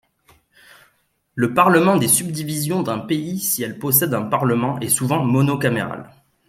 Le parlement des subdivisions d'un pays, si elles possèdent un parlement, est souvent monocaméral.